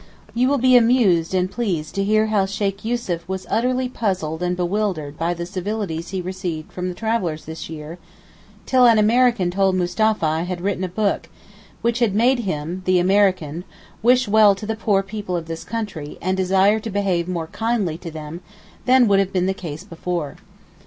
You will be amused and pleased to hear how Sheykh Yussuf was utterly puzzled and bewildered by the civilities he received from the travellers this year, till an American told Mustapha I had written a book which had made him (the American) wish well to the poor people of this country, and desire to behave more kindly to them than would have been the case before.